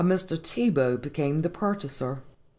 Tibaut became the purchaser.